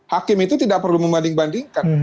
hakim itu tidak perlu membanding bandingkan